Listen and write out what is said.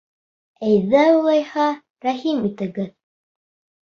— Әйҙә, улайһа, рәхим итегеҙ!